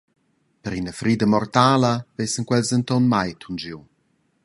Per ina frida mortala vessen quels denton maina tunschiu.